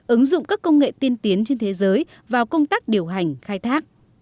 ứng dụng các công nghệ tiên tiến trên thế giới vào công tác điều hành khai thác